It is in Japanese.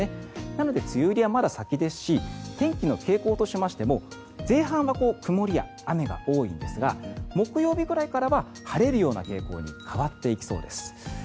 なので梅雨入りはまだ先ですし天気の傾向としましても前半は曇りや雨が多いんですが木曜日ぐらいからは晴れるような傾向に変わっていきそうです。